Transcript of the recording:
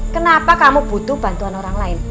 kenapa kamu butuh bantuan orang lain